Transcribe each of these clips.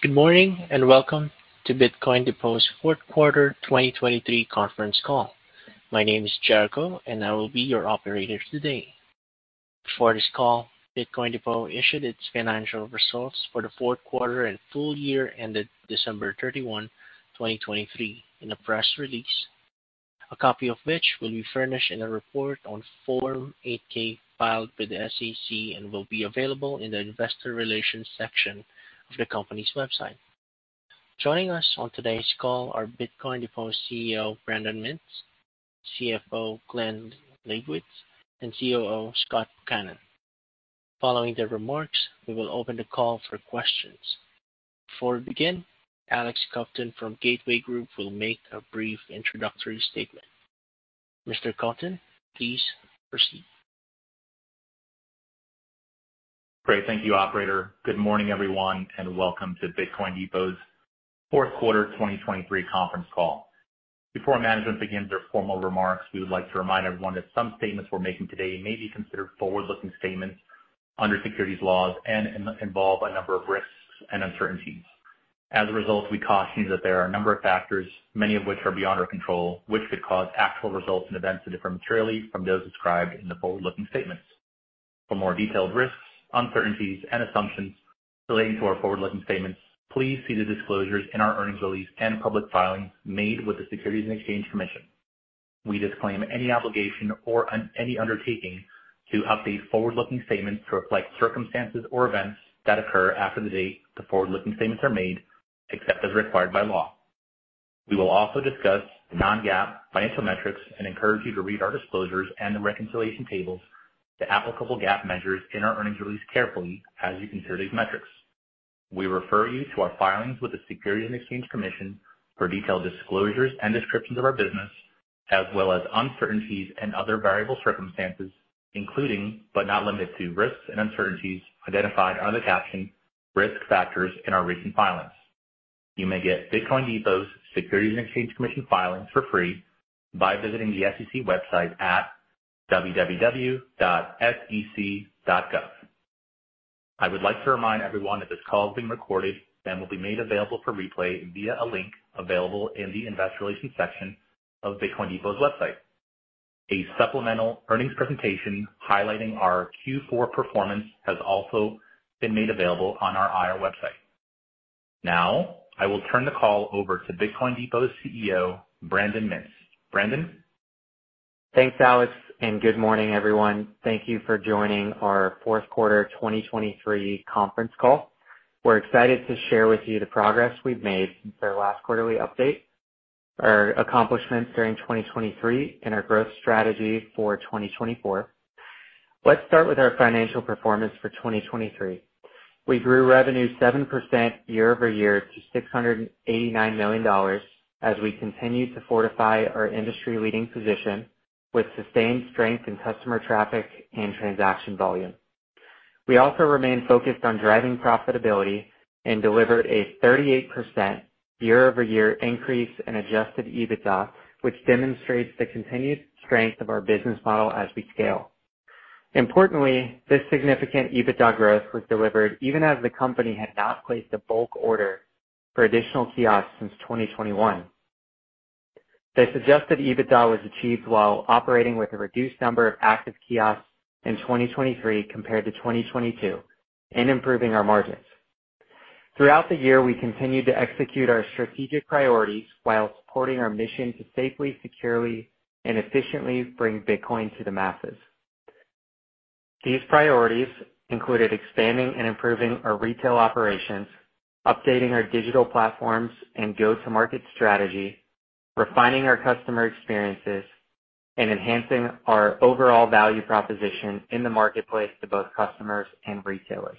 Good morning and welcome to Bitcoin Depot's fourth quarter 2023 conference call. My name is Jericho, and I will be your operator today. Before this call, Bitcoin Depot issued its financial results for the fourth quarter and full year ended December 31, 2023, in a press release, a copy of which will be furnished in a report on Form 8-K filed with the SEC and will be available in the investor relations section of the company's website. Joining us on today's call are Bitcoin Depot CEO Brandon Mintz, CFO Glen Leibowitz, and COO Scott Buchanan. Following their remarks, we will open the call for questions. Before we begin, Alex Kovtun from Gateway Group will make a brief introductory statement. Mr. Kovtun, please proceed. Great. Thank you, operator. Good morning, everyone, and welcome to Bitcoin Depot's fourth quarter 2023 conference call. Before management begins their formal remarks, we would like to remind everyone that some statements we're making today may be considered forward-looking statements under securities laws and involve a number of risks and uncertainties. As a result, we caution you that there are a number of factors, many of which are beyond our control, which could cause actual results and events to differ materially from those described in the forward-looking statements. For more detailed risks, uncertainties, and assumptions relating to our forward-looking statements, please see the disclosures in our earnings release and public filings made with the Securities and Exchange Commission. We disclaim any obligation or any undertaking to update forward-looking statements to reflect circumstances or events that occur after the date the forward-looking statements are made, except as required by law. We will also discuss non-GAAP financial metrics and encourage you to read our disclosures and the reconciliation tables to applicable GAAP measures in our earnings release carefully as you consider these metrics. We refer you to our filings with the Securities and Exchange Commission for detailed disclosures and descriptions of our business, as well as uncertainties and other variable circumstances, including but not limited to risks and uncertainties identified under the caption "Risk Factors in Our Recent Filings." You may get Bitcoin Depot's Securities and Exchange Commission filings for free by visiting the SEC website at www.sec.gov. I would like to remind everyone that this call is being recorded and will be made available for replay via a link available in the investor relations section of Bitcoin Depot's website. A supplemental earnings presentation highlighting our Q4 performance has also been made available on our IR website. Now, I will turn the call over to Bitcoin Depot's CEO Brandon Mintz. Brandon? Thanks, Alex, and good morning, everyone. Thank you for joining our fourth quarter 2023 conference call. We're excited to share with you the progress we've made since our last quarterly update, our accomplishments during 2023, and our growth strategy for 2024. Let's start with our financial performance for 2023. We grew revenue 7% year-over-year to $689 million as we continue to fortify our industry-leading position with sustained strength in customer traffic and transaction volume. We also remain focused on driving profitability and delivered a 38% year-over-year increase in Adjusted EBITDA, which demonstrates the continued strength of our business model as we scale. Importantly, this significant EBITDA growth was delivered even as the company had not placed a bulk order for additional kiosks since 2021. This Adjusted EBITDA was achieved while operating with a reduced number of active kiosks in 2023 compared to 2022 and improving our margins. Throughout the year, we continued to execute our strategic priorities while supporting our mission to safely, securely, and efficiently bring Bitcoin to the masses. These priorities included expanding and improving our retail operations, updating our digital platforms and go-to-market strategy, refining our customer experiences, and enhancing our overall value proposition in the marketplace to both customers and retailers.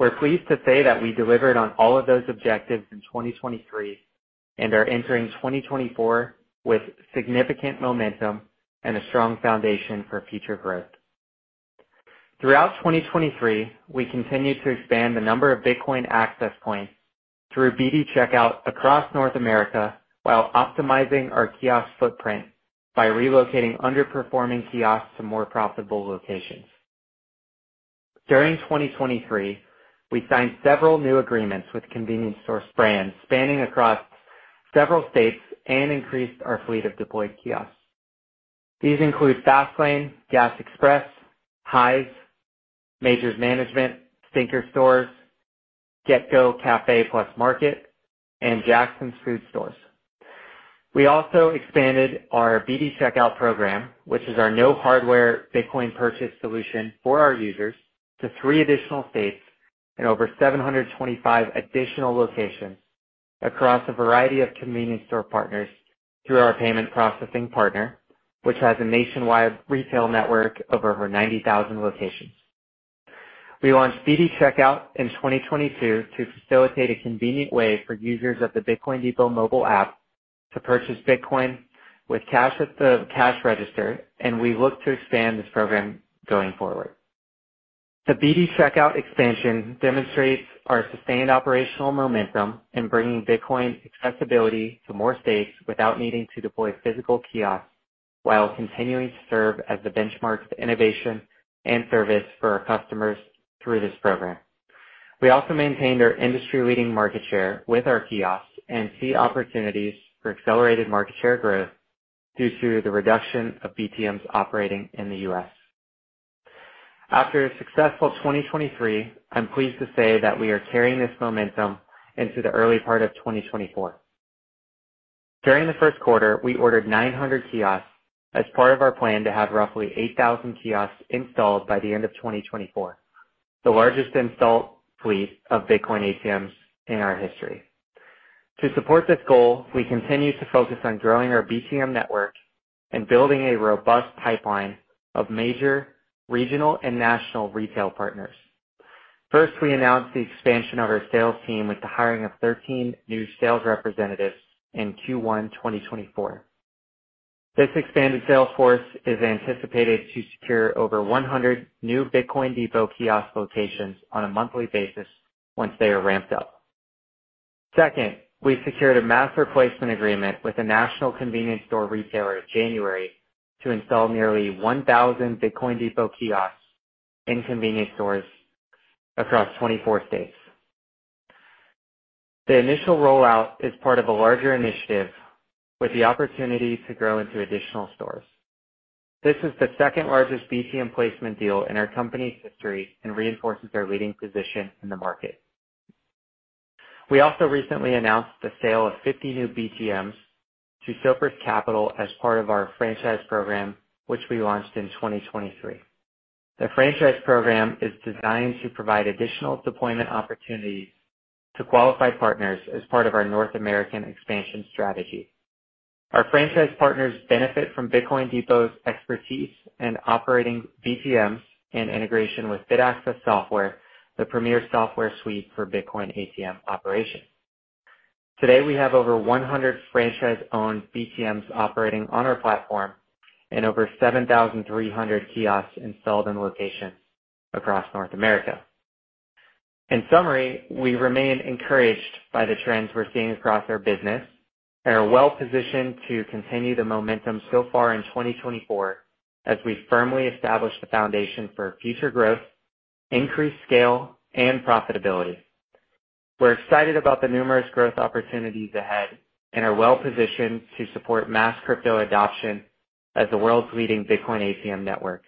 We're pleased to say that we delivered on all of those objectives in 2023 and are entering 2024 with significant momentum and a strong foundation for future growth. Throughout 2023, we continued to expand the number of Bitcoin access points through BD Checkout across North America while optimizing our kiosk footprint by relocating underperforming kiosks to more profitable locations. During 2023, we signed several new agreements with convenience store brands spanning across several states and increased our fleet of deployed kiosks. These include FastLane, Gas Express, High's, Majors Management, Stinker Stores, GetGo Café + Market, and Jacksons Food Stores. We also expanded our BD Checkout program, which is our no-hardware Bitcoin purchase solution for our users, to three additional states and over 725 additional locations across a variety of convenience store partners through our payment processing partner, which has a nationwide retail network of over 90,000 locations. We launched BD Checkout in 2022 to facilitate a convenient way for users of the Bitcoin Depot Mobile App to purchase Bitcoin with cash at the cash register, and we look to expand this program going forward. The BD Checkout expansion demonstrates our sustained operational momentum in bringing Bitcoin accessibility to more states without needing to deploy physical kiosks while continuing to serve as the benchmark of innovation and service for our customers through this program. We also maintained our industry-leading market share with our kiosks and see opportunities for accelerated market share growth due to the reduction of BTMs operating in the U.S. After a successful 2023, I'm pleased to say that we are carrying this momentum into the early part of 2024. During the first quarter, we ordered 900 kiosks as part of our plan to have roughly 8,000 kiosks installed by the end of 2024, the largest installed fleet of Bitcoin ATMs in our history. To support this goal, we continue to focus on growing our BTM network and building a robust pipeline of major regional and national retail partners. First, we announced the expansion of our sales team with the hiring of 13 new sales representatives in Q1 2024. This expanded sales force is anticipated to secure over 100 new Bitcoin Depot kiosk locations on a monthly basis once they are ramped up. Second, we secured a mass replacement agreement with a national convenience store retailer in January to install nearly 1,000 Bitcoin Depot kiosks in convenience stores across 24 states. The initial rollout is part of a larger initiative with the opportunity to grow into additional stores. This is the second largest BTM placement deal in our company's history and reinforces our leading position in the market. We also recently announced the sale of 50 new BTMs to Sopris Capital as part of our franchise program, which we launched in 2023. The franchise program is designed to provide additional deployment opportunities to qualified partners as part of our North American expansion strategy. Our franchise partners benefit from Bitcoin Depot's expertise in operating BTMs and integration with BitAccess software, the premier software suite for Bitcoin ATM operations. Today, we have over 100 franchise-owned BTMs operating on our platform and over 7,300 kiosks installed in locations across North America. In summary, we remain encouraged by the trends we're seeing across our business and are well-positioned to continue the momentum so far in 2024 as we firmly establish the foundation for future growth, increased scale, and profitability. We're excited about the numerous growth opportunities ahead and are well-positioned to support mass crypto adoption as the world's leading Bitcoin ATM network.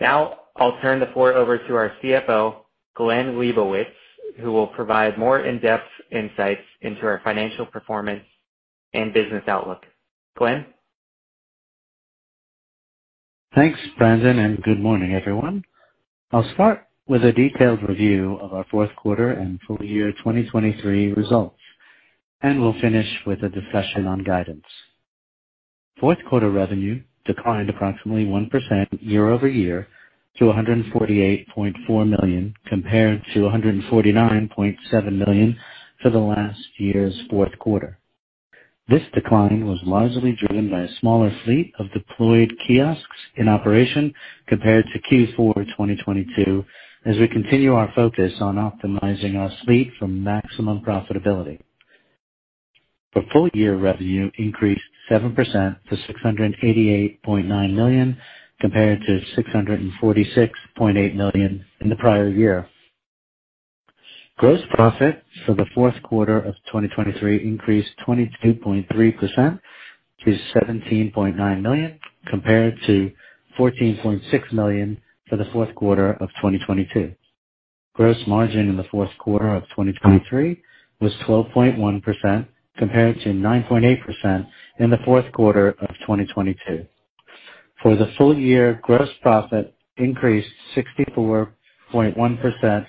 Now, I'll turn the floor over to our CFO, Glen Leibowitz, who will provide more in-depth insights into our financial performance and business outlook. Glen? Thanks, Brandon, and good morning, everyone. I'll start with a detailed review of our fourth quarter and full year 2023 results, and we'll finish with a discussion on guidance. Fourth quarter revenue declined approximately 1% year over year to $148.4 million compared to $149.7 million for the last year's fourth quarter. This decline was largely driven by a smaller fleet of deployed kiosks in operation compared to Q4 2022 as we continue our focus on optimizing our fleet for maximum profitability. For full year, revenue increased 7% to $688.9 million compared to $646.8 million in the prior year. Gross profit for the fourth quarter of 2023 increased 22.3% to $17.9 million compared to $14.6 million for the fourth quarter of 2022. Gross margin in the fourth quarter of 2023 was 12.1% compared to 9.8% in the fourth quarter of 2022. For the full year, gross profit increased 64.1%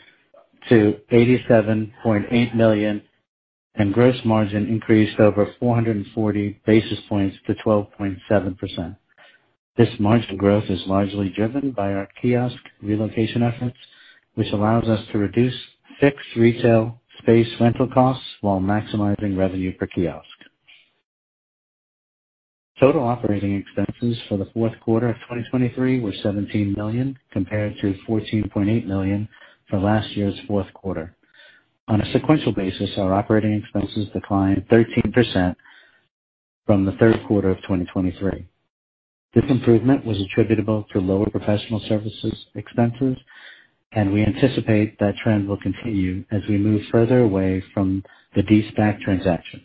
to $87.8 million, and gross margin increased over 440 basis points to 12.7%. This margin growth is largely driven by our kiosk relocation efforts, which allows us to reduce fixed retail space rental costs while maximizing revenue per kiosk. Total operating expenses for the fourth quarter of 2023 were $17 million compared to $14.8 million for last year's fourth quarter. On a sequential basis, our operating expenses declined 13% from the third quarter of 2023. This improvement was attributable to lower professional services expenses, and we anticipate that trend will continue as we move further away from the De-SPAC transaction.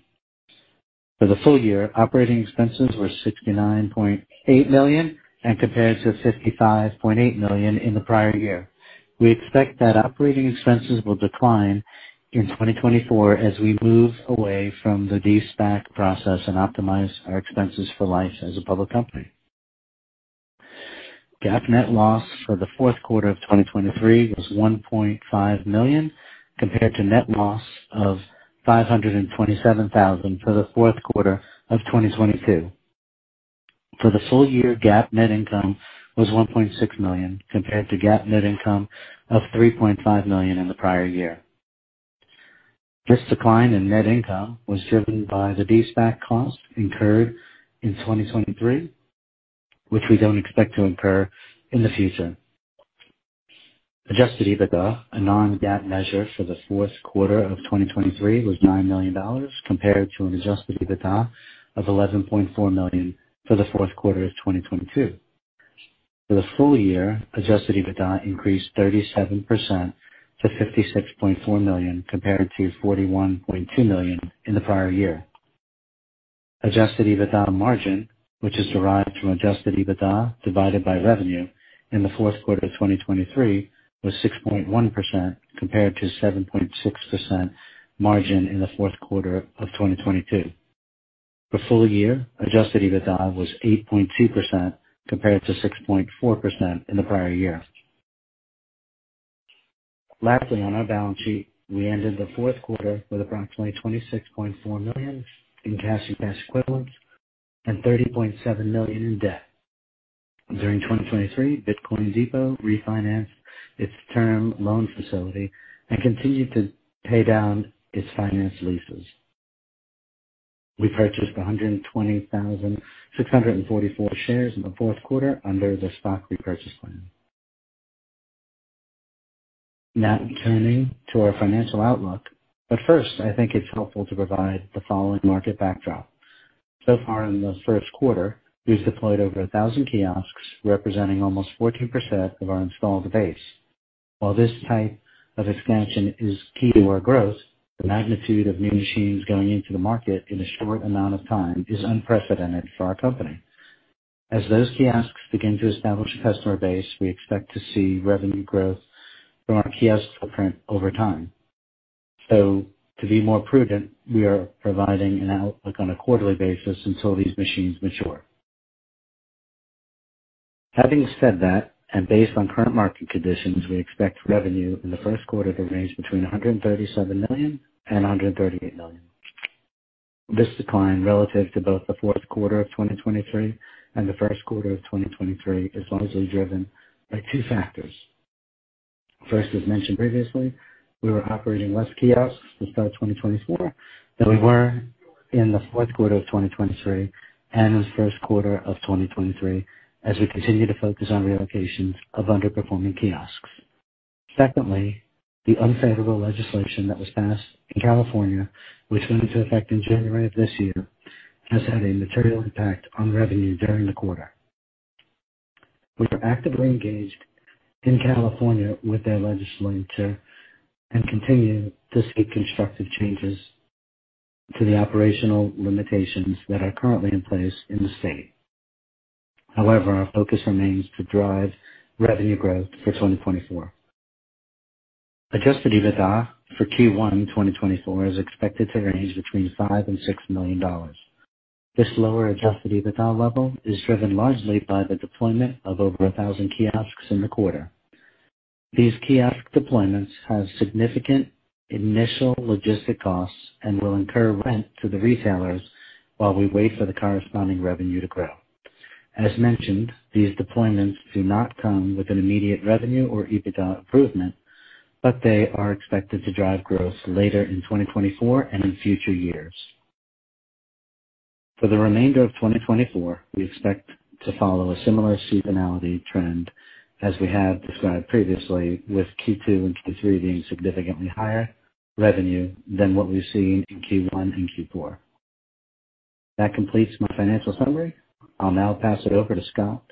For the full year, operating expenses were $69.8 million and compared to $55.8 million in the prior year. We expect that operating expenses will decline in 2024 as we move away from the De-SPAC process and optimize our expenses for life as a public company. GAAP net loss for the fourth quarter of 2023 was $1.5 million compared to net loss of $527,000 for the fourth quarter of 2022. For the full year, GAAP net income was $1.6 million compared to GAAP net income of $3.5 million in the prior year. This decline in net income was driven by the De-SPAC costs incurred in 2023, which we don't expect to incur in the future. Adjusted EBITDA, a non-GAAP measure for the fourth quarter of 2023, was $9 million compared to an adjusted EBITDA of $11.4 million for the fourth quarter of 2022. For the full year, adjusted EBITDA increased 37% to $56.4 million compared to $41.2 million in the prior year. Adjusted EBITDA margin, which is derived from adjusted EBITDA divided by revenue in the fourth quarter of 2023, was 6.1% compared to 7.6% margin in the fourth quarter of 2022. For full year, adjusted EBITDA was 8.2% compared to 6.4% in the prior year. Lastly, on our balance sheet, we ended the fourth quarter with approximately $26.4 million in cash and cash equivalents and $30.7 million in debt. During 2023, Bitcoin Depot refinanced its term loan facility and continued to pay down its finance leases. We purchased 120,644 shares in the fourth quarter under the stock repurchase plan. Now, turning to our financial outlook. But first, I think it's helpful to provide the following market backdrop. So far in the first quarter, we've deployed over 1,000 kiosks, representing almost 14% of our installed base. While this type of expansion is key to our growth, the magnitude of new machines going into the market in a short amount of time is unprecedented for our company. As those kiosks begin to establish a customer base, we expect to see revenue growth from our kiosk footprint over time. So, to be more prudent, we are providing an outlook on a quarterly basis until these machines mature. Having said that, and based on current market conditions, we expect revenue in the first quarter to range between $137 million and $138 million. This decline relative to both the fourth quarter of 2023 and the first quarter of 2023 is largely driven by two factors. First, as mentioned previously, we were operating less kiosks to start 2024 than we were in the fourth quarter of 2023 and in the first quarter of 2023 as we continue to focus on relocations of underperforming kiosks. Secondly, the unfavorable legislation that was passed in California, which went into effect in January of this year, has had a material impact on revenue during the quarter. We are actively engaged in California with their legislature and continue to seek constructive changes to the operational limitations that are currently in place in the state. However, our focus remains to drive revenue growth for 2024. Adjusted EBITDA for Q1 2024 is expected to range between $5 million-$6 million. This lower adjusted EBITDA level is driven largely by the deployment of over 1,000 kiosks in the quarter. These kiosk deployments have significant initial logistic costs and will incur rent to the retailers while we wait for the corresponding revenue to grow. As mentioned, these deployments do not come with an immediate revenue or EBITDA improvement, but they are expected to drive growth later in 2024 and in future years. For the remainder of 2024, we expect to follow a similar seasonality trend as we have described previously, with Q2 and Q3 being significantly higher revenue than what we've seen in Q1 and Q4. That completes my financial summary. I'll now pass it over to Scott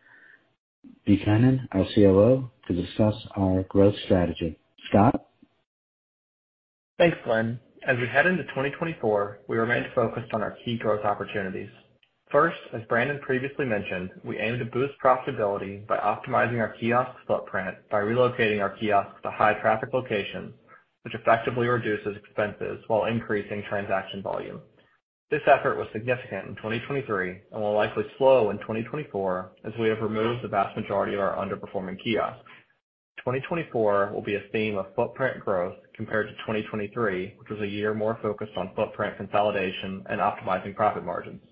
Buchanan, our COO, to discuss our growth strategy. Scott? Thanks, Glen. As we head into 2024, we remain focused on our key growth opportunities. First, as Brandon previously mentioned, we aim to boost profitability by optimizing our kiosk footprint by relocating our kiosks to high-traffic locations, which effectively reduces expenses while increasing transaction volume. This effort was significant in 2023 and will likely slow in 2024 as we have removed the vast majority of our underperforming kiosks. 2024 will be a theme of footprint growth compared to 2023, which was a year more focused on footprint consolidation and optimizing profit margins.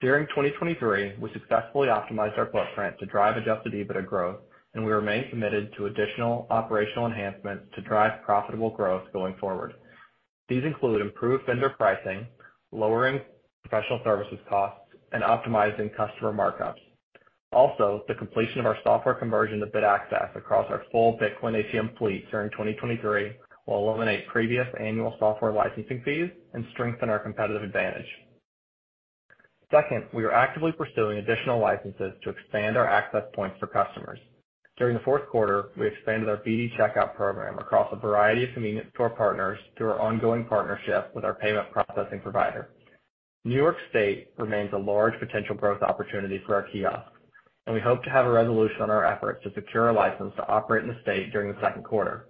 During 2023, we successfully optimized our footprint to drive Adjusted EBITDA growth, and we remain committed to additional operational enhancements to drive profitable growth going forward. These include improved vendor pricing, lowering professional services costs, and optimizing customer markups. Also, the completion of our software conversion to BitAccess across our full Bitcoin ATM fleet during 2023 will eliminate previous annual software licensing fees and strengthen our competitive advantage. Second, we are actively pursuing additional licenses to expand our access points for customers. During the fourth quarter, we expanded our BD Checkout program across a variety of convenience store partners through our ongoing partnership with our payment processing provider. New York State remains a large potential growth opportunity for our kiosks, and we hope to have a resolution on our efforts to secure a license to operate in the state during the second quarter.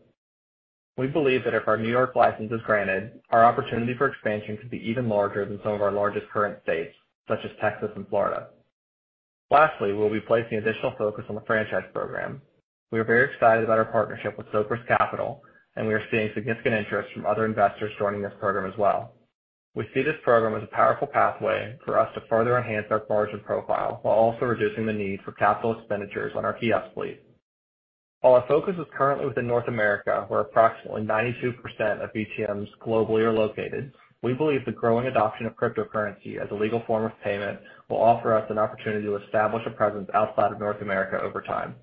We believe that if our New York license is granted, our opportunity for expansion could be even larger than some of our largest current states, such as Texas and Florida. Lastly, we'll be placing additional focus on the franchise program. We are very excited about our partnership with Sopris Capital, and we are seeing significant interest from other investors joining this program as well. We see this program as a powerful pathway for us to further enhance our margin profile while also reducing the need for capital expenditures on our kiosk fleet. While our focus is currently within North America, where approximately 92% of BTMs globally are located, we believe the growing adoption of cryptocurrency as a legal form of payment will offer us an opportunity to establish a presence outside of North America over time.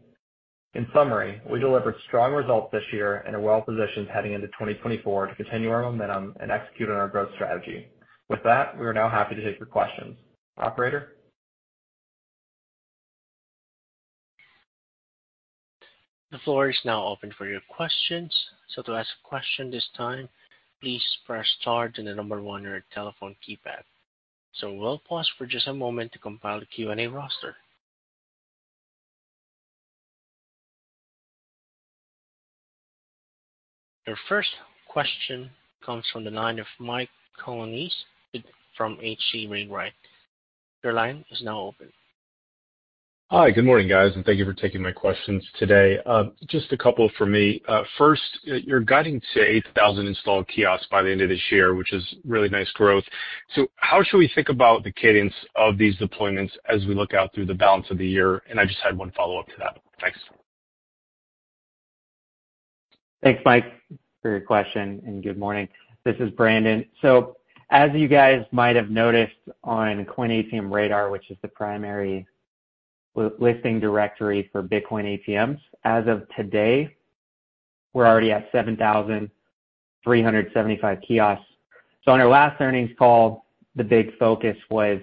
In summary, we delivered strong results this year and are well-positioned heading into 2024 to continue our momentum and execute on our growth strategy. With that, we are now happy to take your questions. Operator? The floor is now open for your questions. So, to ask a question this time, please press star on the number one on your telephone keypad. So, we'll pause for just a moment to compile the Q&A roster. Your first question comes from the line of Mike Colonnese from H.C. Wainwright. Your line is now open. Hi. Good morning, guys, and thank you for taking my questions today. Just a couple for me. First, you're guiding to 8,000 installed kiosks by the end of this year, which is really nice growth. So, how should we think about the cadence of these deployments as we look out through the balance of the year? And I just had one follow-up to that. Thanks. Thanks, Mike, for your question, and good morning. This is Brandon. So, as you guys might have noticed on Coin ATM Radar, which is the primary listing directory for Bitcoin ATMs, as of today, we're already at 7,375 kiosks. So, on our last earnings call, the big focus was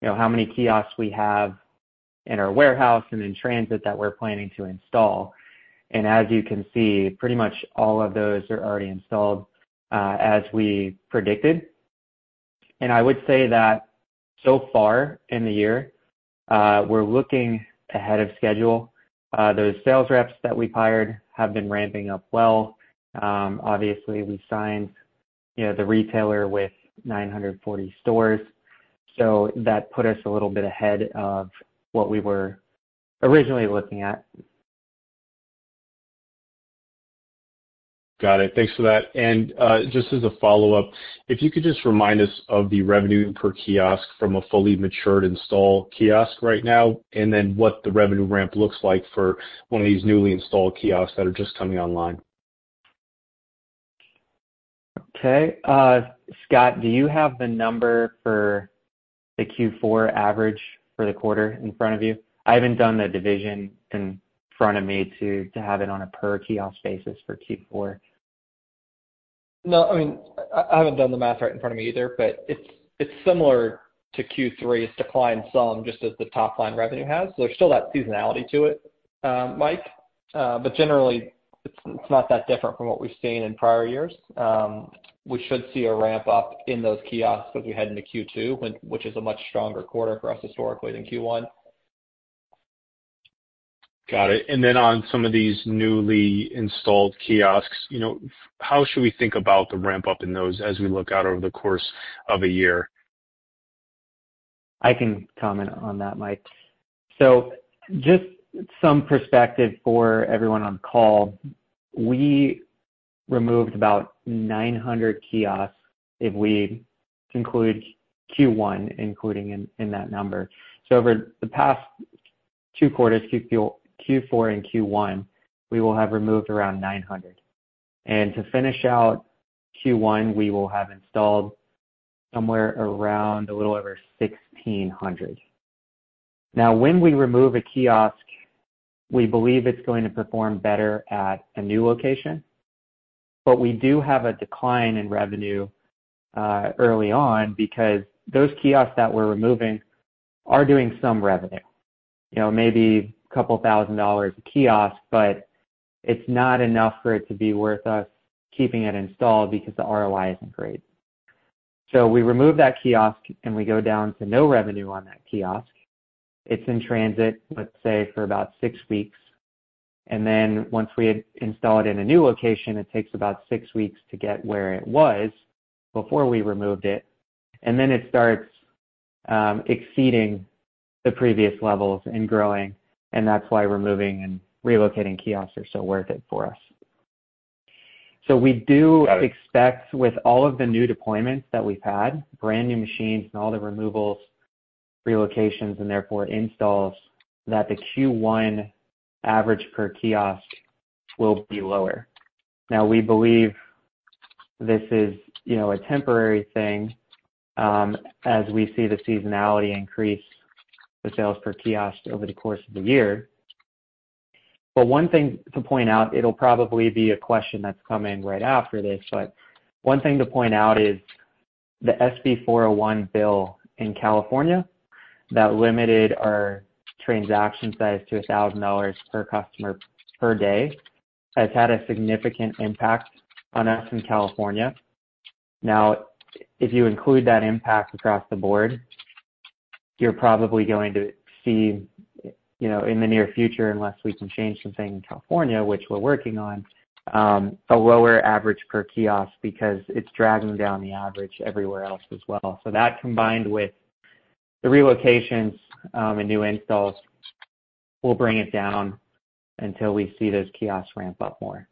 how many kiosks we have in our warehouse and in transit that we're planning to install. And as you can see, pretty much all of those are already installed as we predicted. And I would say that so far in the year, we're looking ahead of schedule. Those sales reps that we've hired have been ramping up well. Obviously, we signed the retailer with 940 stores, so that put us a little bit ahead of what we were originally looking at. Got it. Thanks for that. Just as a follow-up, if you could just remind us of the revenue per kiosk from a fully matured install kiosk right now, and then what the revenue ramp looks like for one of these newly installed kiosks that are just coming online? Okay. Scott, do you have the number for the Q4 average for the quarter in front of you? I haven't done the division in front of me to have it on a per-kiosk basis for Q4. No, I mean, I haven't done the math right in front of me either, but it's similar to Q3. It's declined some just as the top-line revenue has. There's still that seasonality to it, Mike, but generally, it's not that different from what we've seen in prior years. We should see a ramp up in those kiosks as we head into Q2, which is a much stronger quarter for us historically than Q1. Got it. Then on some of these newly installed kiosks, how should we think about the ramp up in those as we look out over the course of a year? I can comment on that, Mike. So, just some perspective for everyone on the call, we removed about 900 kiosks if we include Q1, including in that number. So, over the past two quarters, Q4 and Q1, we will have removed around 900. And to finish out Q1, we will have installed somewhere around a little over 1,600. Now, when we remove a kiosk, we believe it's going to perform better at a new location, but we do have a decline in revenue early on because those kiosks that we're removing are doing some revenue, maybe $2,000 a kiosk, but it's not enough for it to be worth us keeping it installed because the ROI isn't great. So, we remove that kiosk and we go down to no revenue on that kiosk. It's in transit, let's say, for about six weeks. And then once we install it in a new location, it takes about six weeks to get where it was before we removed it, and then it starts exceeding the previous levels and growing. And that's why removing and relocating kiosks are so worth it for us. So, we do expect with all of the new deployments that we've had, brand new machines and all the removals, relocations, and therefore installs, that the Q1 average per kiosk will be lower. Now, we believe this is a temporary thing as we see the seasonality increase the sales per kiosk over the course of the year. But one thing to point out, it'll probably be a question that's coming right after this, but one thing to point out is the SB 401 bill in California that limited our transaction size to $1,000 per customer per day has had a significant impact on us in California. Now, if you include that impact across the board, you're probably going to see in the near future, unless we can change something in California, which we're working on, a lower average per kiosk because it's dragging down the average everywhere else as well. So, that combined with the relocations and new installs will bring it down until we see those kiosks ramp up more.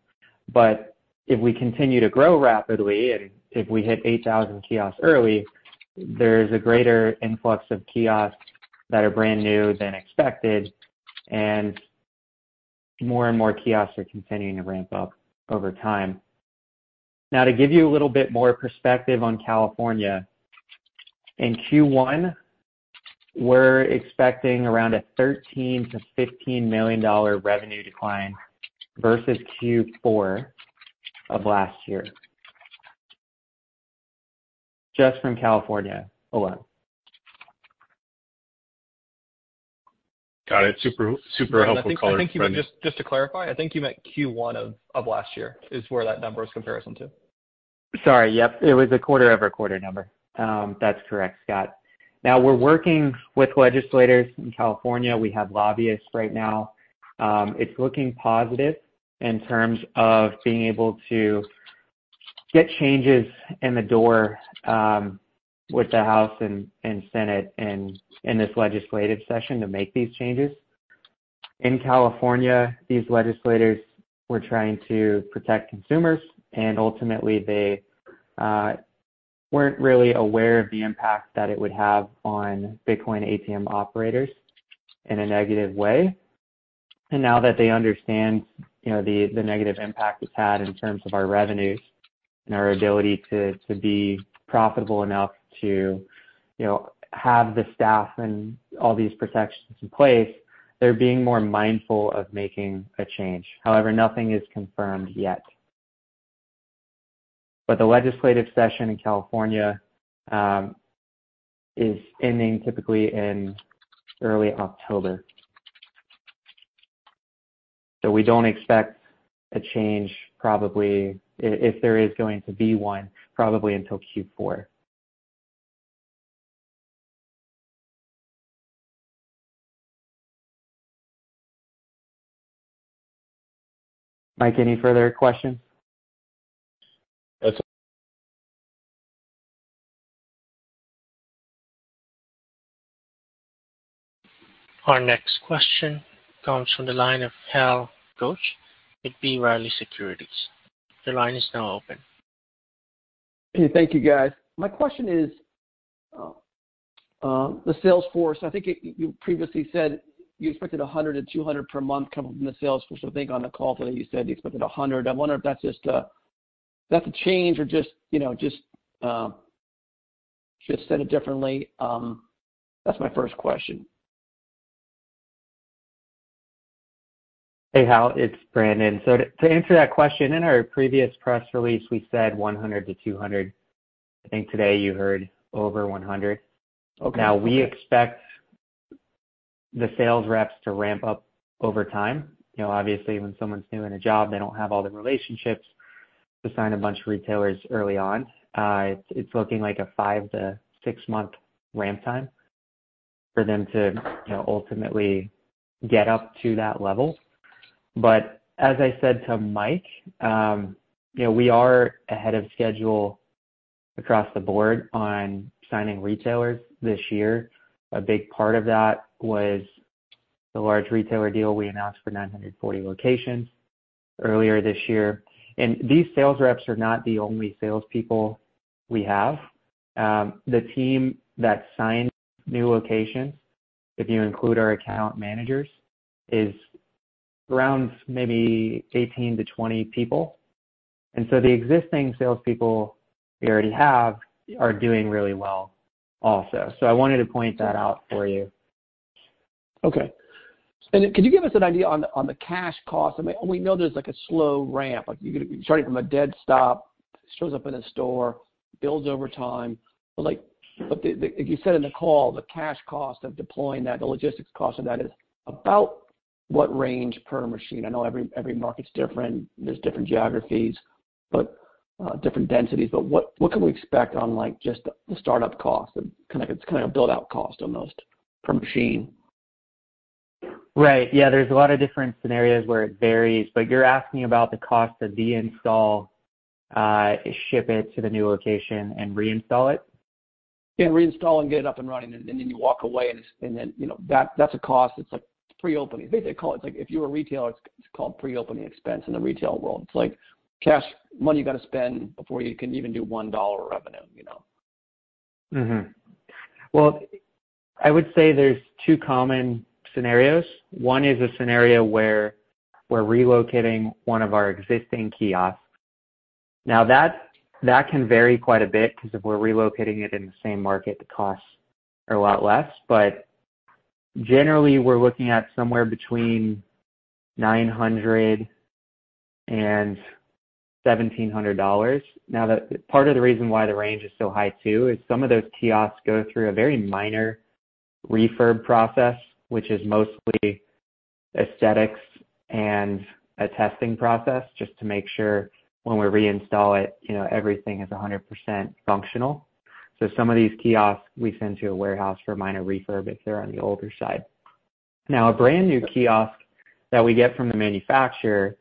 But if we continue to grow rapidly and if we hit 8,000 kiosks early, there's a greater influx of kiosks that are brand new than expected, and more and more kiosks are continuing to ramp up over time. Now, to give you a little bit more perspective on California, in Q1, we're expecting around a $13 million-$15 million revenue decline versus Q4 of last year, just from California alone. Got it. Super helpful caller, Brandon. Thank you. Just to clarify, I think you meant Q1 of last year is where that number is comparison to. Sorry. Yep. It was a quarter-over-quarter number. That's correct, Scott. Now, we're working with legislators in California. We have lobbyists right now. It's looking positive in terms of being able to get changes in the door with the House and Senate in this legislative session to make these changes. In California, these legislators were trying to protect consumers, and ultimately, they weren't really aware of the impact that it would have on Bitcoin ATM operators in a negative way. And now that they understand the negative impact it's had in terms of our revenues and our ability to be profitable enough to have the staff and all these protections in place, they're being more mindful of making a change. However, nothing is confirmed yet. But the legislative session in California is ending typically in early October. We don't expect a change, probably, if there is going to be one, probably until Q4. Mike, any further questions? Our next question comes from the line of Hal Goetsch at B. Riley Securities. Your line is now open. Hey, thank you, guys. My question is, the sales force, I think you previously said you expected 100-200 per month coming from the sales force. I think on the call today, you said you expected 100. I wonder if that's a change or just said it differently. That's my first question. Hey, Hal. It's Brandon. So, to answer that question, in our previous press release, we said 100-200. I think today you heard over 100. Now, we expect the sales reps to ramp up over time. Obviously, when someone's new in a job, they don't have all the relationships to sign a bunch of retailers early on. It's looking like a 5- to 6-month ramp time for them to ultimately get up to that level. But as I said to Mike, we are ahead of schedule across the board on signing retailers this year. A big part of that was the large retailer deal we announced for 940 locations earlier this year. And these sales reps are not the only salespeople we have. The team that signs new locations, if you include our account managers, is around maybe 18-20 people. The existing salespeople we already have are doing really well also. I wanted to point that out for you. Okay. And could you give us an idea on the cash cost? I mean, we know there's a slow ramp. You're starting from a dead stop, shows up in a store, builds over time. But like you said in the call, the cash cost of deploying that, the logistics cost of that, is about what range per machine? I know every market's different. There's different geographies, different densities. But what can we expect on just the startup cost, the kind of build-out cost almost per machine? Right. Yeah. There's a lot of different scenarios where it varies. But you're asking about the cost to deinstall, ship it to the new location, and reinstall it? Yeah. Reinstall and get it up and running, and then you walk away, and then that's a cost. It's like pre-opening. Basically, if you're a retailer, it's called pre-opening expense in the retail world. It's like cash money you got to spend before you can even do $1 revenue. Well, I would say there's two common scenarios. One is a scenario where we're relocating one of our existing kiosks. Now, that can vary quite a bit because if we're relocating it in the same market, the costs are a lot less. But generally, we're looking at somewhere between $900 and $1,700. Now, part of the reason why the range is so high too is some of those kiosks go through a very minor refurb process, which is mostly aesthetics and a testing process just to make sure when we reinstall it, everything is 100% functional. So, some of these kiosks, we send to a warehouse for minor refurb if they're on the older side. Now, a brand new kiosk that we get from the manufacturer,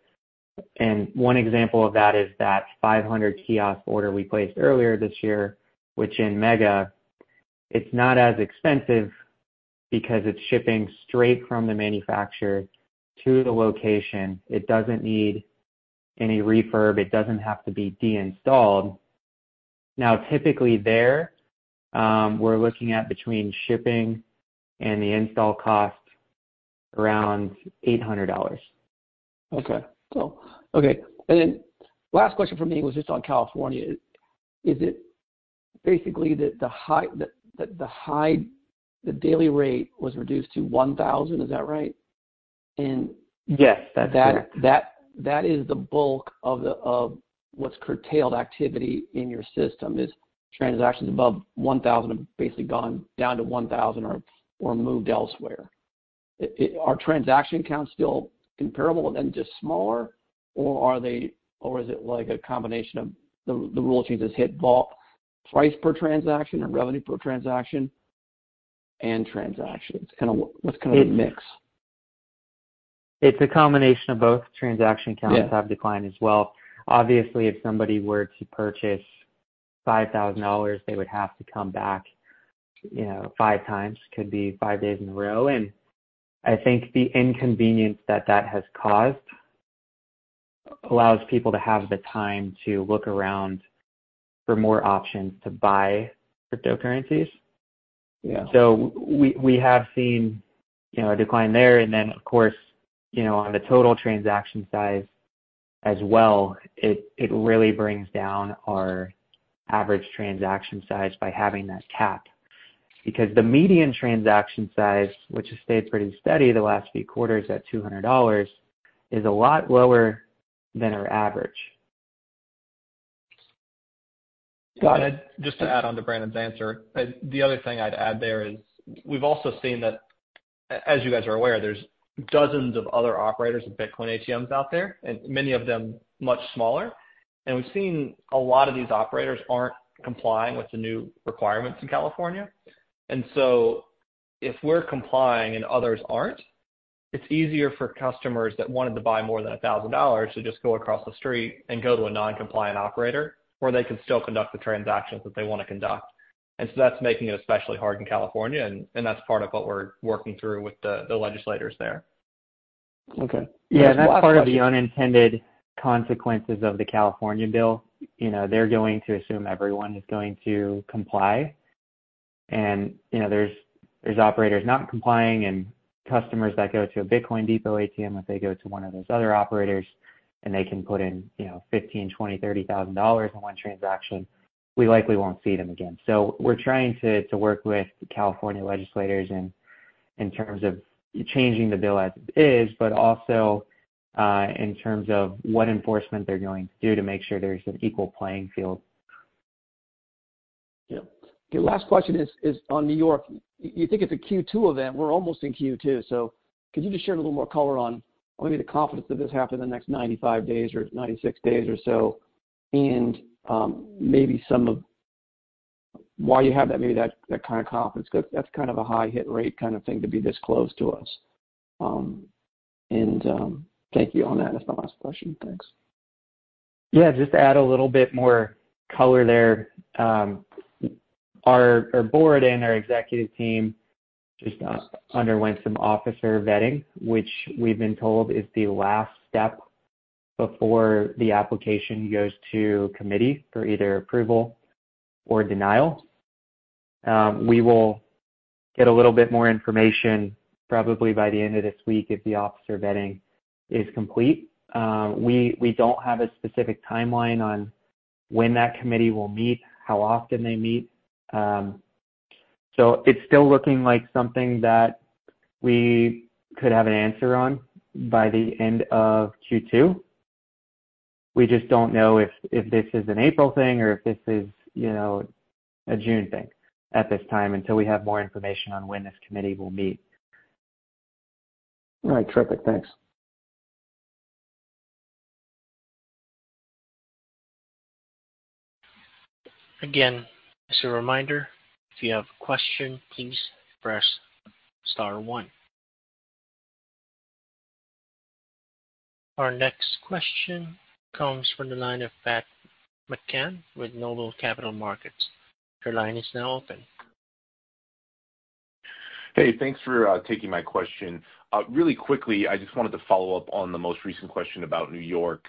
and one example of that is that 500-kiosk order we placed earlier this year, which in Mexico, it's not as expensive because it's shipping straight from the manufacturer to the location. It doesn't need any refurb. It doesn't have to be deinstalled. Now, typically there, we're looking at between shipping and the install cost around $800. Okay. Cool. Okay. And then last question for me was just on California. Is it basically that the daily rate was reduced to $1,000? Is that right? Yes. That's correct. That is the bulk of what's curtailed activity in your system, is transactions above $1,000 have basically gone down to $1,000 or moved elsewhere. Are transaction counts still comparable and then just smaller, or is it a combination of the rule changes hit price per transaction and revenue per transaction and transactions? What's kind of the mix? It's a combination of both. Transaction counts have declined as well. Obviously, if somebody were to purchase $5,000, they would have to come back five times, could be five days in a row. I think the inconvenience that that has caused allows people to have the time to look around for more options to buy cryptocurrencies. We have seen a decline there. Then, of course, on the total transaction size as well, it really brings down our average transaction size by having that cap because the median transaction size, which has stayed pretty steady the last few quarters at $200, is a lot lower than our average. Got it. Just to add on to Brandon's answer, the other thing I'd add there is we've also seen that, as you guys are aware, there's dozens of other operators of Bitcoin ATMs out there, and many of them much smaller. And we've seen a lot of these operators aren't complying with the new requirements in California. And so, if we're complying and others aren't, it's easier for customers that wanted to buy more than $1,000 to just go across the street and go to a non-compliant operator where they could still conduct the transactions that they want to conduct. And so, that's making it especially hard in California, and that's part of what we're working through with the legislators there. Okay. Yeah. That's part of the unintended consequences of the California bill. They're going to assume everyone is going to comply. And there's operators not complying and customers that go to a Bitcoin Depot ATM if they go to one of those other operators, and they can put in $15,000, $20,000, $30,000 in one transaction. We likely won't see them again. So, we're trying to work with California legislators in terms of changing the bill as it is, but also in terms of what enforcement they're going to do to make sure there's an equal playing field. Yeah. Your last question is on New York. You think it's a Q2 event. We're almost in Q2. So, could you just share a little more color on maybe the confidence that this happens in the next 95 days or 96 days or so, and maybe some of why you have maybe that kind of confidence? Because that's kind of a high-hit rate kind of thing to be this close to us. And thank you on that. That's my last question. Thanks. Yeah. Just to add a little bit more color there, our board and our executive team just underwent some officer vetting, which we've been told is the last step before the application goes to committee for either approval or denial. We will get a little bit more information probably by the end of this week if the officer vetting is complete. We don't have a specific timeline on when that committee will meet, how often they meet. So, it's still looking like something that we could have an answer on by the end of Q2. We just don't know if this is an April thing or if this is a June thing at this time until we have more information on when this committee will meet. All right. Terrific. Thanks. Again, as a reminder, if you have a question, please press star one. Our next question comes from the line of Pat McCann with Noble Capital Markets. Your line is now open. Hey. Thanks for taking my question. Really quickly, I just wanted to follow up on the most recent question about New York.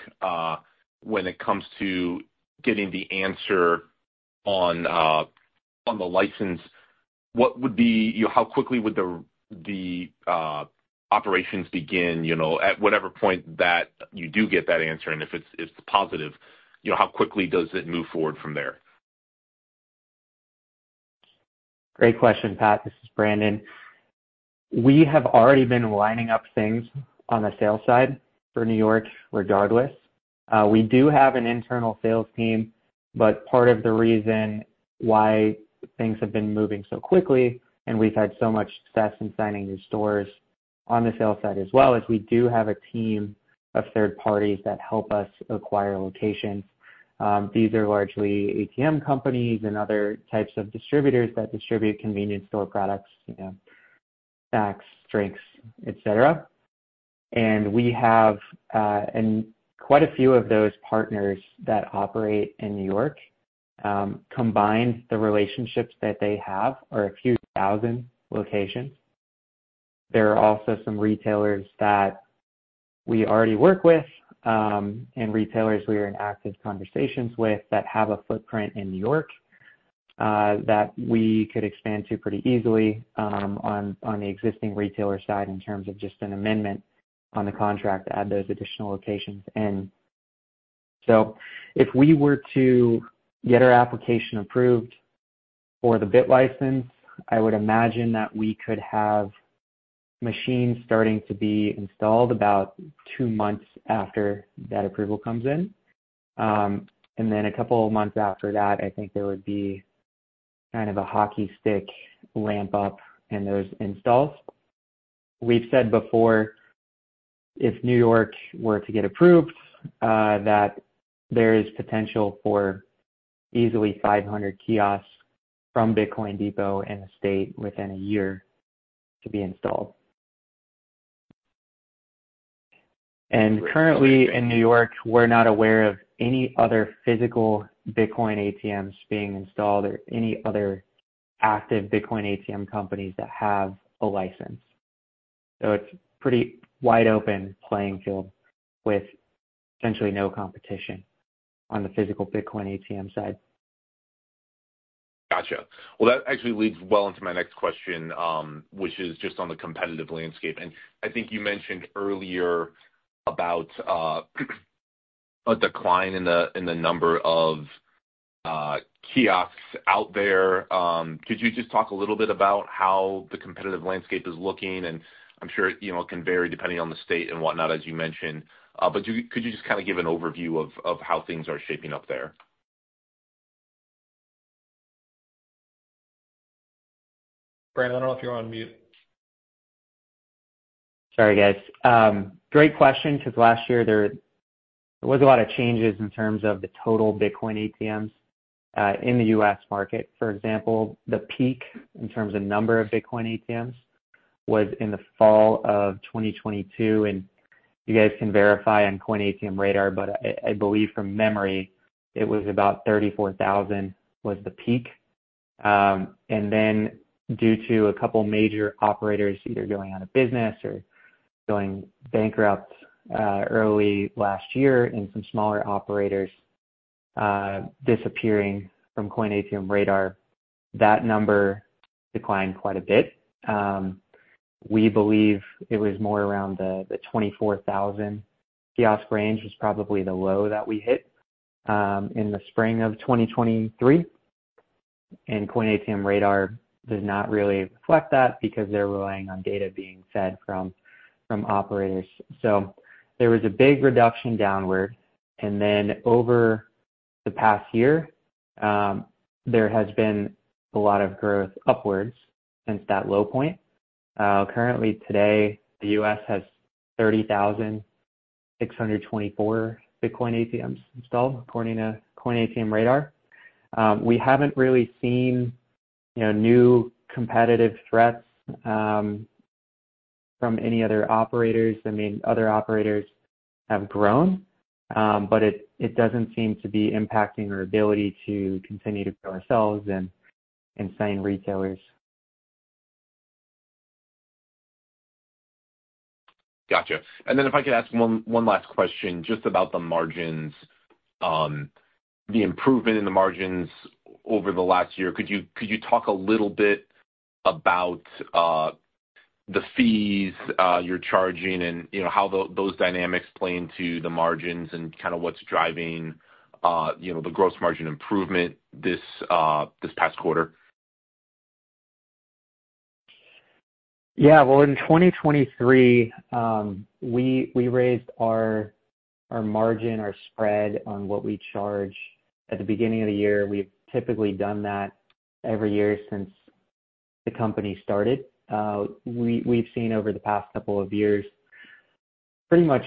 When it comes to getting the answer on the license, how quickly would the operations begin at whatever point that you do get that answer? And if it's positive, how quickly does it move forward from there? Great question, Pat. This is Brandon. We have already been lining up things on the sales side for New York regardless. We do have an internal sales team, but part of the reason why things have been moving so quickly, and we've had so much success in signing new stores on the sales side as well, is we do have a team of third parties that help us acquire locations. These are largely ATM companies and other types of distributors that distribute convenience store products, snacks, drinks, etc. We have quite a few of those partners that operate in New York combined the relationships that they have, or a few thousand locations. There are also some retailers that we already work with and retailers we are in active conversations with that have a footprint in New York that we could expand to pretty easily on the existing retailer side in terms of just an amendment on the contract to add those additional locations. So, if we were to get our application approved for the BitLicense, I would imagine that we could have machines starting to be installed about two months after that approval comes in. And then a couple of months after that, I think there would be kind of a hockey stick ramp up in those installs. We've said before, if New York were to get approved, that there is potential for easily 500 kiosks from Bitcoin Depot in the state within a year to be installed. Currently, in New York, we're not aware of any other physical Bitcoin ATMs being installed or any other active Bitcoin ATM companies that have a license. So, it's a pretty wide-open playing field with essentially no competition on the physical Bitcoin ATM side. Gotcha. Well, that actually leads well into my next question, which is just on the competitive landscape. And I think you mentioned earlier about a decline in the number of kiosks out there. Could you just talk a little bit about how the competitive landscape is looking? And I'm sure it can vary depending on the state and whatnot, as you mentioned. But could you just kind of give an overview of how things are shaping up there? Brandon, I don't know if you're on mute. Sorry, guys. Great question because last year, there was a lot of changes in terms of the total Bitcoin ATMs in the U.S. market. For example, the peak in terms of number of Bitcoin ATMs was in the fall of 2022. And you guys can verify on Coin ATM Radar, but I believe from memory, it was about 34,000 was the peak. And then due to a couple of major operators either going out of business or going bankrupt early last year and some smaller operators disappearing from Coin ATM Radar, that number declined quite a bit. We believe it was more around the 24,000 kiosk range was probably the low that we hit in the spring of 2023. And Coin ATM Radar does not really reflect that because they're relying on data being fed from operators. So, there was a big reduction downward. And then over the past year, there has been a lot of growth upwards since that low point. Currently, today, the U.S. has 30,624 Bitcoin ATMs installed according to Coin ATM Radar. We haven't really seen new competitive threats from any other operators. I mean, other operators have grown, but it doesn't seem to be impacting our ability to continue to grow ourselves and sign retailers. Gotcha. And then if I could ask one last question just about the margins, the improvement in the margins over the last year, could you talk a little bit about the fees you're charging and how those dynamics play into the margins and kind of what's driving the gross margin improvement this past quarter? Yeah. Well, in 2023, we raised our margin, our spread on what we charge at the beginning of the year. We've typically done that every year since the company started. We've seen over the past couple of years, pretty much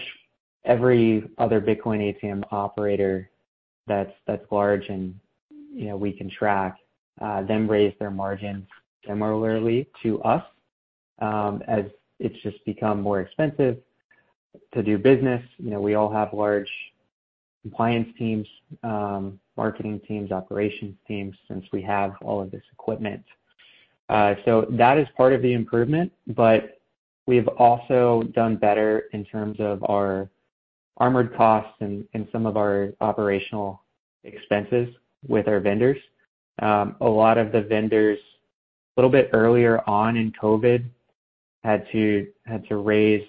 every other Bitcoin ATM operator that's large and we can track them raise their margins similarly to us as it's just become more expensive to do business. We all have large compliance teams, marketing teams, operations teams since we have all of this equipment. So, that is part of the improvement, but we've also done better in terms of our armored costs and some of our operational expenses with our vendors. A lot of the vendors, a little bit earlier on in COVID, had to raise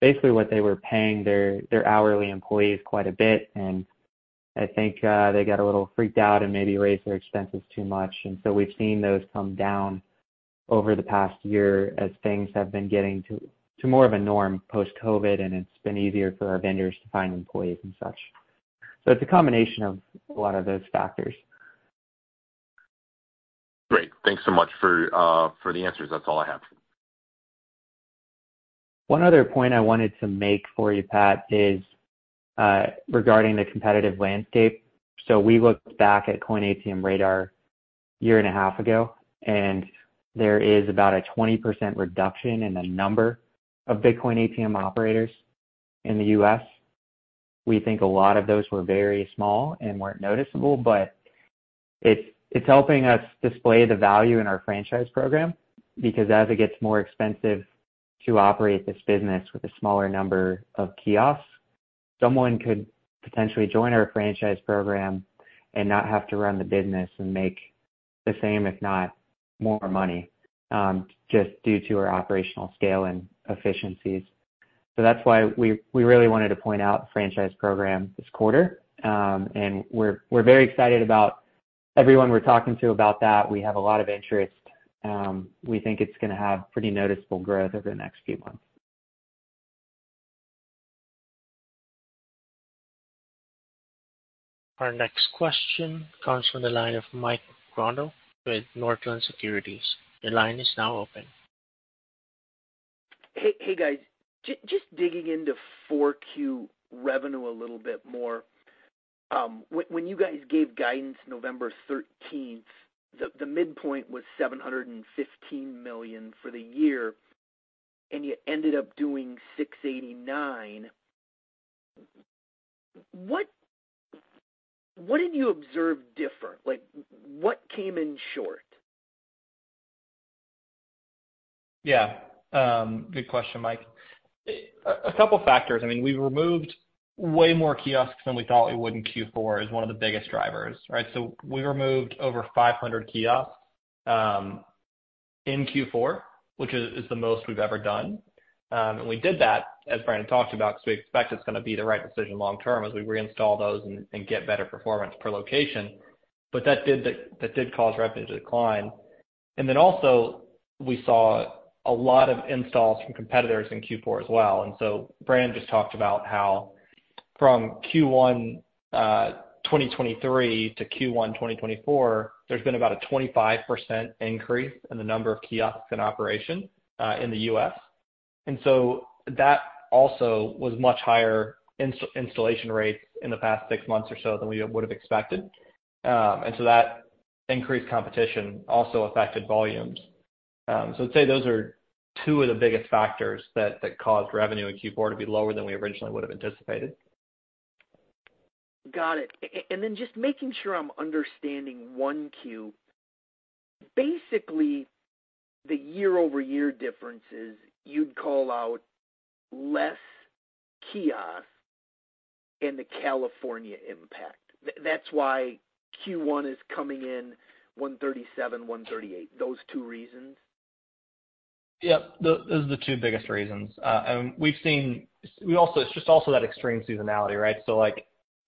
basically what they were paying their hourly employees quite a bit. I think they got a little freaked out and maybe raised their expenses too much. And so, we've seen those come down over the past year as things have been getting to more of a norm post-COVID, and it's been easier for our vendors to find employees and such. So, it's a combination of a lot of those factors. Great. Thanks so much for the answers. That's all I have. One other point I wanted to make for you, Pat, is regarding the competitive landscape. So, we looked back at Coin ATM Radar a year and a half ago, and there is about a 20% reduction in the number of Bitcoin ATM operators in the U.S. We think a lot of those were very small and weren't noticeable, but it's helping us display the value in our franchise program because as it gets more expensive to operate this business with a smaller number of kiosks, someone could potentially join our franchise program and not have to run the business and make the same, if not more money, just due to our operational scale and efficiencies. So, that's why we really wanted to point out the franchise program this quarter. And we're very excited about everyone we're talking to about that. We have a lot of interest. We think it's going to have pretty noticeable growth over the next few months. Our next question comes from the line of Mike Grondahl with Northland Securities. Your line is now open. Hey, guys. Just digging into 4Q revenue a little bit more. When you guys gave guidance November 13th, the midpoint was $715 million for the year, and you ended up doing $689 million. What did you observe different? What came in short? Yeah. Good question, Mike. A couple of factors. I mean, we removed way more kiosks than we thought we would in Q4 is one of the biggest drivers, right? So, we removed over 500 kiosks in Q4, which is the most we've ever done. And we did that, as Brandon talked about, because we expect it's going to be the right decision long-term as we reinstall those and get better performance per location. But that did cause revenue to decline. And then also, we saw a lot of installs from competitors in Q4 as well. And so, Brandon just talked about how from Q1 2023 to Q1 2024, there's been about a 25% increase in the number of kiosks in operation in the U.S. And so, that also was much higher installation rates in the past six months or so than we would have expected. That increased competition also affected volumes. I'd say those are two of the biggest factors that caused revenue in Q4 to be lower than we originally would have anticipated. Got it. And then just making sure I'm understanding Q1, basically, the year-over-year difference is you'd call out less kiosks and the California impact. That's why Q1 is coming in $137-$138, those two reasons? Yep. Those are the two biggest reasons. And we've seen it's just also that extreme seasonality, right? So,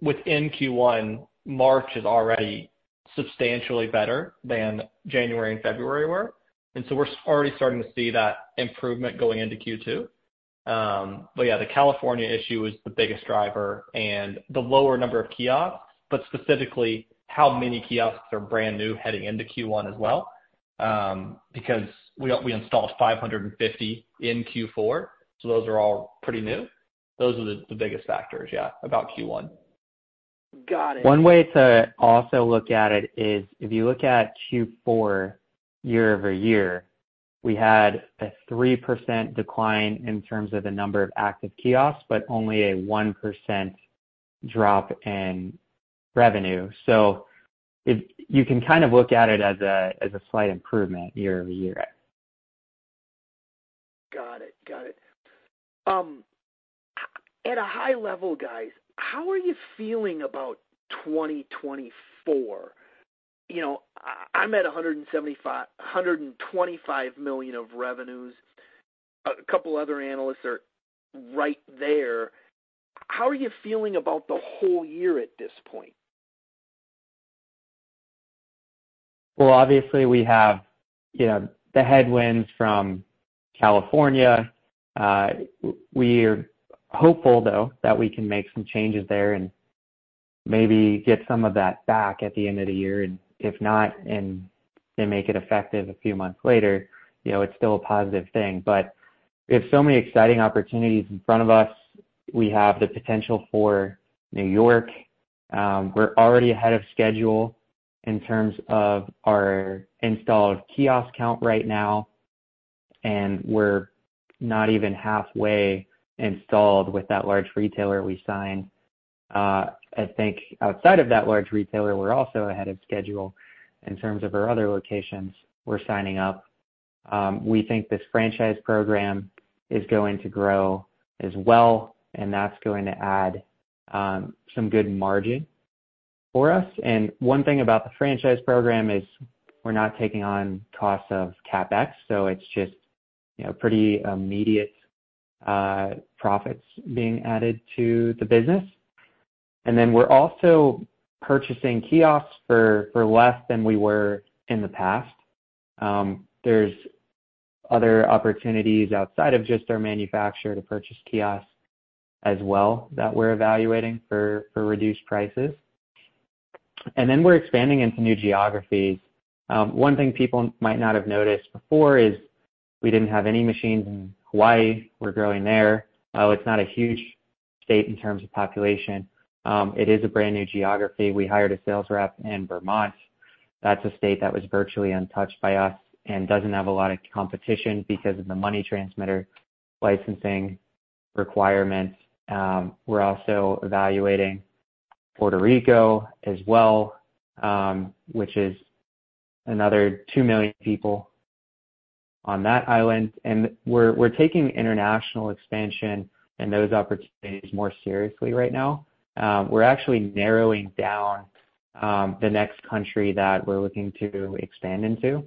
within Q1, March is already substantially better than January and February were. And so, we're already starting to see that improvement going into Q2. But yeah, the California issue is the biggest driver and the lower number of kiosks, but specifically how many kiosks are brand new heading into Q1 as well because we installed 550 in Q4. So, those are all pretty new. Those are the biggest factors, yeah, about Q1. Got it. One way to also look at it is if you look at Q4 year-over-year, we had a 3% decline in terms of the number of active kiosks, but only a 1% drop in revenue. So, you can kind of look at it as a slight improvement year-over-year. Got it. Got it. At a high level, guys, how are you feeling about 2024? I'm at $125 million of revenues. A couple of other analysts are right there. How are you feeling about the whole year at this point? Well, obviously, we have the headwinds from California. We are hopeful, though, that we can make some changes there and maybe get some of that back at the end of the year. If not, and they make it effective a few months later, it's still a positive thing. We have so many exciting opportunities in front of us. We have the potential for New York. We're already ahead of schedule in terms of our installed kiosk count right now. We're not even halfway installed with that large retailer we signed. I think outside of that large retailer, we're also ahead of schedule in terms of our other locations we're signing up. We think this franchise program is going to grow as well, and that's going to add some good margin for us. One thing about the franchise program is we're not taking on costs of CapEx. So, it's just pretty immediate profits being added to the business. And then we're also purchasing kiosks for less than we were in the past. There's other opportunities outside of just our manufacturer to purchase kiosks as well that we're evaluating for reduced prices. And then we're expanding into new geographies. One thing people might not have noticed before is we didn't have any machines in Hawaii. We're growing there. It's not a huge state in terms of population. It is a brand new geography. We hired a sales rep in Vermont. That's a state that was virtually untouched by us and doesn't have a lot of competition because of the money transmitter licensing requirements. We're also evaluating Puerto Rico as well, which is another 2 million people on that island. And we're taking international expansion and those opportunities more seriously right now. We're actually narrowing down the next country that we're looking to expand into.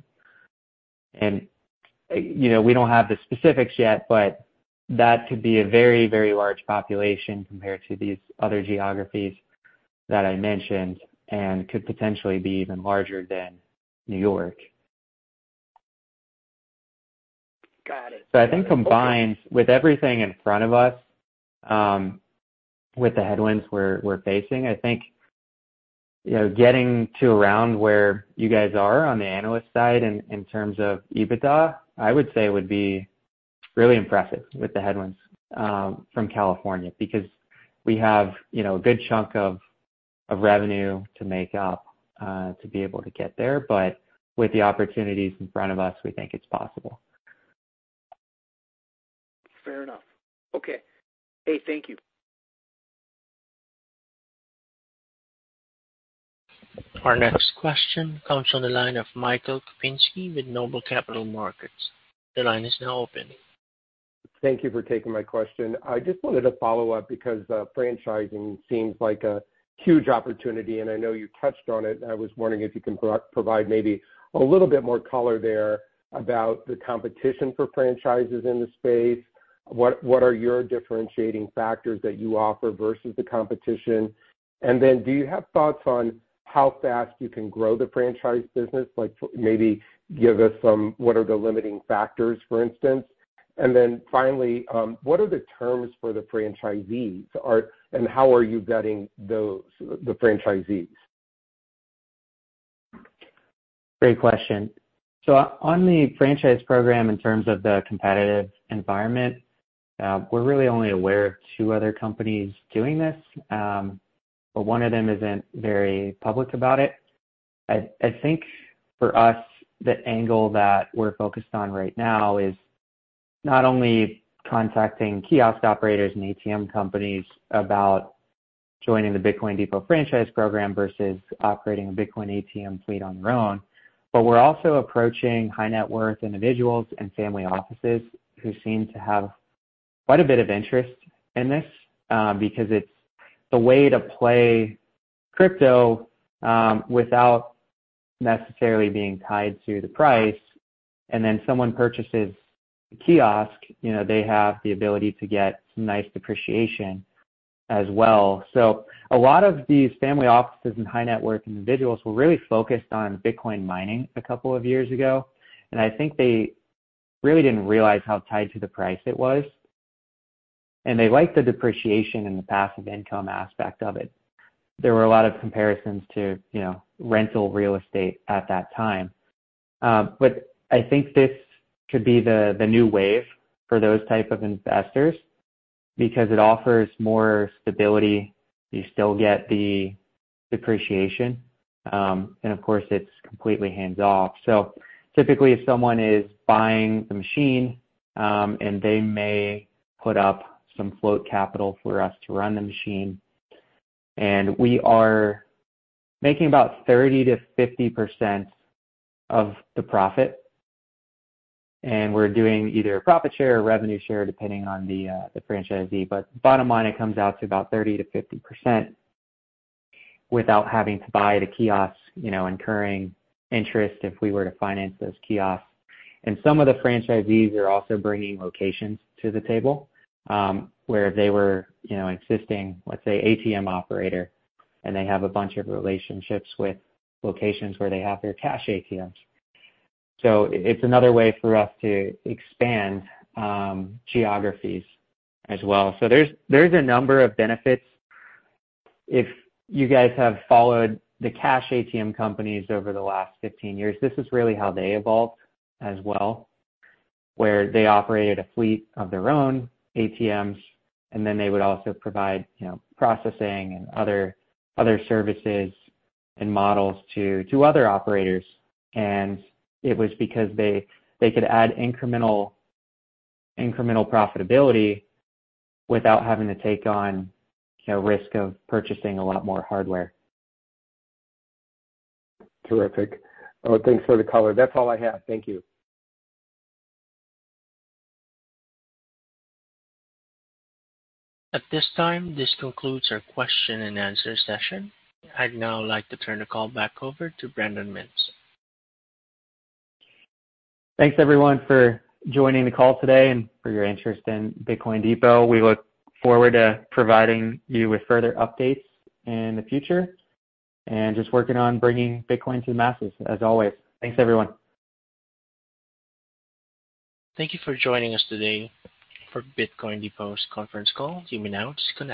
We don't have the specifics yet, but that could be a very, very large population compared to these other geographies that I mentioned and could potentially be even larger than New York. Got it. So, I think combined with everything in front of us with the headwinds we're facing, I think getting to around where you guys are on the analyst side in terms of EBITDA, I would say would be really impressive with the headwinds from California because we have a good chunk of revenue to make up to be able to get there. But with the opportunities in front of us, we think it's possible. Fair enough. Okay. Hey, thank you. Our next question comes from the line of Michael Kupinski with Noble Capital Markets. The line is now open. Thank you for taking my question. I just wanted to follow up because franchising seems like a huge opportunity, and I know you touched on it. I was wondering if you can provide maybe a little bit more color there about the competition for franchises in the space. What are your differentiating factors that you offer versus the competition? And then do you have thoughts on how fast you can grow the franchise business? Maybe give us some what are the limiting factors, for instance. And then finally, what are the terms for the franchisees, and how are you vetting the franchisees? Great question. So, on the franchise program in terms of the competitive environment, we're really only aware of two other companies doing this, but one of them isn't very public about it. I think for us, the angle that we're focused on right now is not only contacting kiosk operators and ATM companies about joining the Bitcoin Depot franchise program versus operating a Bitcoin ATM fleet on their own, but we're also approaching high-net-worth individuals and family offices who seem to have quite a bit of interest in this because it's the way to play crypto without necessarily being tied to the price. And then someone purchases the kiosk, they have the ability to get some nice depreciation as well. A lot of these family offices and high-net-worth individuals were really focused on Bitcoin mining a couple of years ago, and I think they really didn't realize how tied to the price it was. They liked the depreciation and the passive income aspect of it. There were a lot of comparisons to rental real estate at that time. I think this could be the new wave for those types of investors because it offers more stability. You still get the depreciation. Of course, it's completely hands-off. Typically, if someone is buying the machine, and they may put up some float capital for us to run the machine. We are making about 30%-50% of the profit. We're doing either a profit share or a revenue share depending on the franchisee. But bottom line, it comes out to about 30%-50% without having to buy the kiosk, incurring interest if we were to finance those kiosks. And some of the franchisees are also bringing locations to the table where they were existing, let's say, ATM operator, and they have a bunch of relationships with locations where they have their cash ATMs. So, there's a number of benefits. If you guys have followed the cash ATM companies over the last 15 years, this is really how they evolved as well, where they operated a fleet of their own ATMs, and then they would also provide processing and other services and models to other operators. And it was because they could add incremental profitability without having to take on risk of purchasing a lot more hardware. Terrific. Oh, thanks for the color. That's all I have. Thank you. At this time, this concludes our question and answer session. I'd now like to turn the call back over to Brandon Mintz. Thanks, everyone, for joining the call today and for your interest in Bitcoin Depot. We look forward to providing you with further updates in the future and just working on bringing Bitcoin to the masses, as always. Thanks, everyone. Thank you for joining us today for Bitcoin Depot's conference call. Do you mean now?